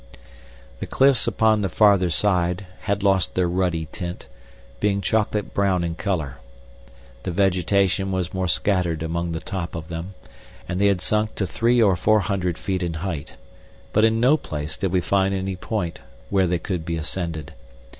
The cliffs upon the farther side had lost their ruddy tint, being chocolate brown in color; the vegetation was more scattered along the top of them, and they had sunk to three or four hundred feet in height, but in no place did we find any point where they could be ascended.